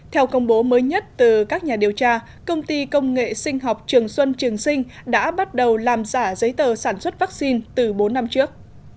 theo công bố mới nhất từ các nhà điều tra công ty công nghệ sinh học trường xuân trường sinh đã bắt đầu làm giả giấy tờ sản xuất vaccine từ bốn năm trước